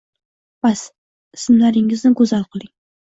Bas, ismlaringizni go‘zal qiling’’